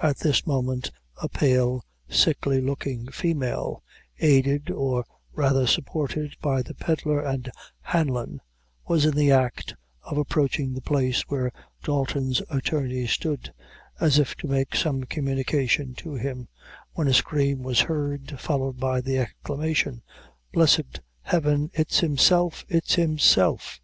At this moment, a pale, sickly looking female, aided, or rather supported, by the Pedlar and Hanlon, was in the act of approaching the place where Dalton's attorney stood, as if to make some communication to him, when a scream was heard, followed by the exclamation "Blessed Heaven! it's himself! it's himself!"